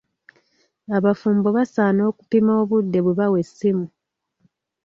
Abafumbo basaana okupima obudde bwe bawa essimu.